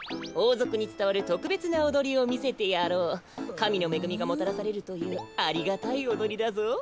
かみのめぐみがもたらせるというありがたいおどりだぞ。